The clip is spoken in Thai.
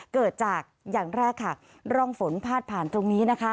เกิดจากอย่างแรกค่ะร่องฝนพาดผ่านตรงนี้นะคะ